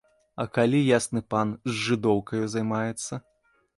А калі ясны пан з жыдоўкаю займаецца?